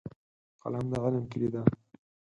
قلم د علم کیلي ده.